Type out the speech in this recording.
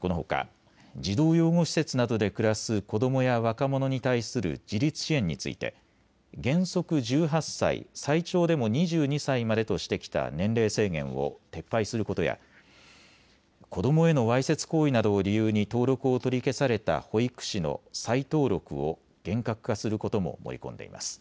このほか、児童養護施設などで暮らす子どもや若者に対する自立支援について原則１８歳、最長でも２２歳までとしてきた年齢制限を撤廃することや子どもへのわいせつ行為などを理由に登録を取り消された保育士の再登録を厳格化することも盛り込んでいます。